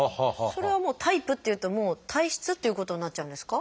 それはもうタイプっていうと体質っていうことになっちゃうんですか？